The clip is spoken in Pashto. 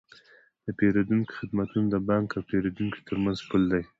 د پیرودونکو خدمتونه د بانک او پیرودونکي ترمنځ پل دی۔